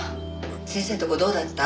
先生のとこどうだった？